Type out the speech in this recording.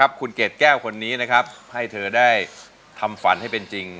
กลับมาเชียร์คุณเกดแก้วคนนี้นะครับให้เธอได้ทำฝันให้เป็นจริง